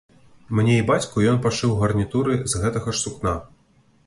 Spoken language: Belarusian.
Мне і бацьку ён пашыў гарнітуры з гэтага ж сукна.